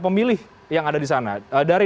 pemilih yang ada di sana dari